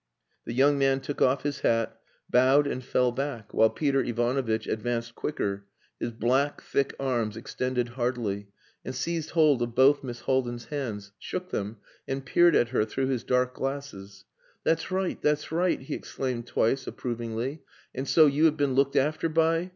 The young man took off his hat, bowed and fell back, while Peter Ivanovitch advanced quicker, his black, thick arms extended heartily, and seized hold of both Miss Haldin's hands, shook them, and peered at her through his dark glasses. "That's right, that's right!" he exclaimed twice, approvingly. "And so you have been looked after by...."